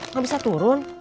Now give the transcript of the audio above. gak bisa turun